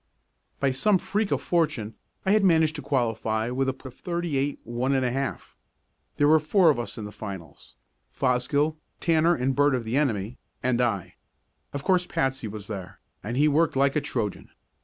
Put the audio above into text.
By some freak of fortune I had managed to qualify with a put of thirty eight, one and a half. There were four of us in the finals, Fosgill, Tanner and Burt of the enemy, and I. Of course Patsy was there, and he worked like a Trojan.